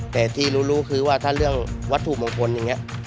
แต่ที่รู้คือว่าถ้าเรื่องวัตถุมงคลอย่างนี้